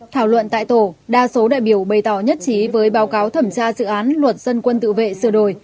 thảo luận tại tổ đa số đại biểu bày tỏ nhất trí với báo cáo thẩm tra dự án luật dân quân tự vệ sửa đổi